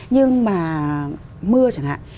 nhưng mà mưa chẳng hạn